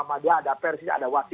ada persis ada wasi